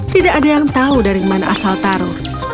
tidak ada yang tahu dari mana asal taro